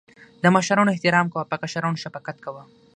د مشرانو احترام کوه.په کشرانو شفقت کوه